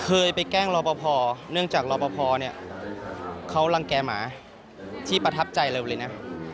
เคยไปแกล้งหล่อป่อเนื่องจากหล่อป่อเขารังแกงหมาที่ประทับใจเร็วเลยนะ